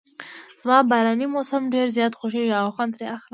زما باراني موسم ډېر زیات خوښیږي او خوند ترې اخلم.